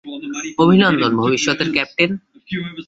অভিনন্দন, ভবিষ্যতের ক্যাপ্টেন।